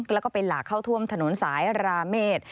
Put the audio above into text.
แล้วก็ไปหลากเข้าท่วมถนนสายราเมษ